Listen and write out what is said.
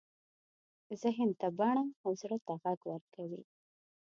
ذهن ته بڼه او زړه ته غږ ورکوي.